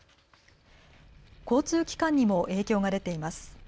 交通機関にも影響が出ています。